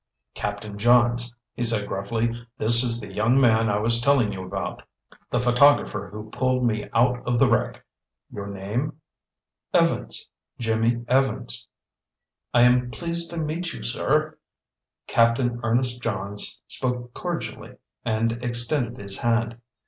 "Captain Johns," he said gruffly, "this is the young man I was telling you about. The photographer who pulled me out of the wreck. Your name—" "Evans. Jimmy Evans." "I am pleased to meet you, sir," Captain Ernest Johns spoke cordially and extended his hand.